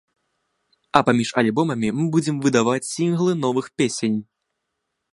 А паміж альбомамі мы будзем выдаваць сінглы новых песень.